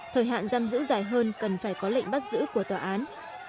thời hạn giam giữ dài hơn cần phải có lệnh bắt giữ của tòa án